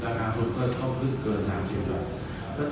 ราคาทุนก็ต้องขึ้นเกิน๓๐บาท